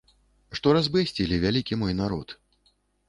Што разбэсцілі вялікі мой народ.